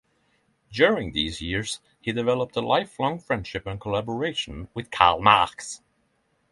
During these years, he developed a lifelong friendship and collaboration with Karl Marx.